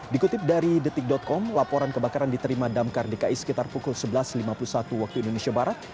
dikutip dari detik com laporan kebakaran diterima damkar dki sekitar pukul sebelas lima puluh satu waktu indonesia barat